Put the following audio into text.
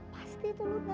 pasti tuh luna